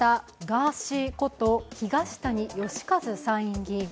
ガーシーこと、東谷義和参院議員。